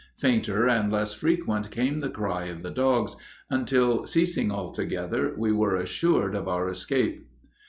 Fainter and less frequent came the cry of the dogs, until, ceasing altogether, we were assured of our escape.